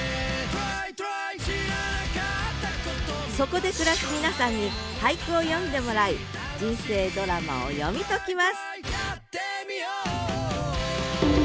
そこで暮らす皆さんに俳句を詠んでもらい人生ドラマを読み解きます